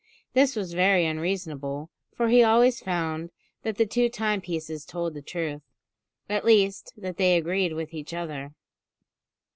This was very unreasonable, for he always found that the two timepieces told the truth; at least, that they agreed with each other.